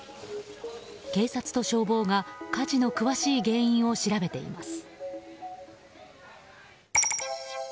警察と消防が火事の詳しい原因を調べています。